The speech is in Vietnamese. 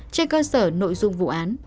trên cơ sở nội dung vụ án